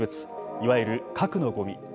いわゆる核のごみ。